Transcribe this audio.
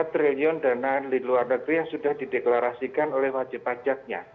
tiga triliun dana di luar negeri yang sudah dideklarasikan oleh wajib pajaknya